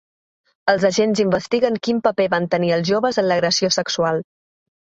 Els agents investiguen quin paper van tenir els joves en l’agressió sexual.